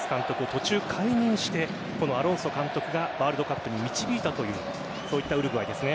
途中解任してアロンソ監督がワールドカップに導いたというウルグアイですね。